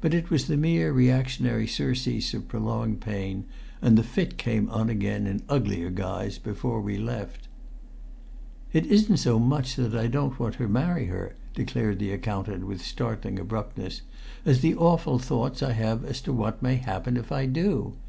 But it was the mere reactionary surcease of prolonged pain, and the fit came on again in uglier guise before he left. "It isn't so much that I don't want to marry her," declared the accountant with startling abruptness, "as the awful thoughts I have as to what may happen if I do.